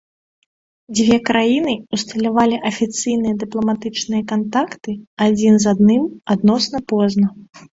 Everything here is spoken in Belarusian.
Дзве краіны ўсталявалі афіцыйныя дыпламатычныя кантакты адзін з адным адносна позна.